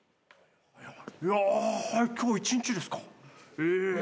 いや今日１日ですかえ。